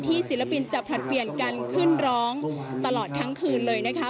ศิลปินจะผลัดเปลี่ยนกันขึ้นร้องตลอดทั้งคืนเลยนะคะ